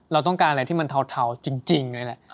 เราต้องการอะไรที่มันเทาจริงเลยแหละ